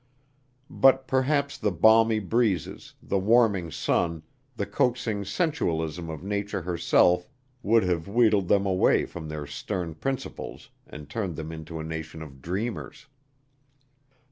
But perhaps the balmy breezes, the warming sun, the coaxing sensualism of Nature herself would have wheedled them away from their stern principles and turned them into a nation of dreamers.